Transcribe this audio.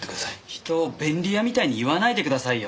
人を便利屋みたいに言わないでくださいよ。